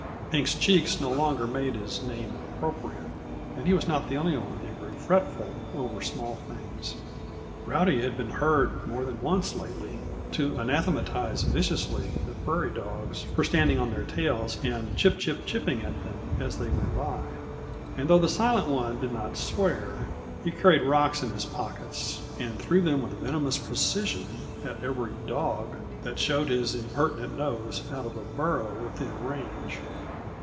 Pink's cheeks no longer made his name appropriate, and he was not the only one who grew fretful over small things. Rowdy had been heard, more than once lately, to anathematize viciously the prairie dogs for standing on their tails and chipchip chipping at them as they went by. And though the Silent One did not swear, he carried rocks in his pockets, and threw them with venomous precision at every "dog" that showed his impertinent nose out of a burrow within range.